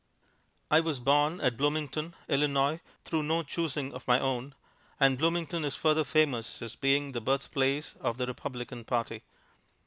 I was born at Bloomington, Illinois, through no choosing of my own, and Bloomington is further famous as being the birthplace of the Republican party.